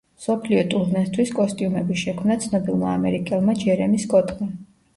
მსოფლიო ტურნესთვის კოსტიუმები შექმნა ცნობილმა ამერიკელმა ჯერემი სკოტმა.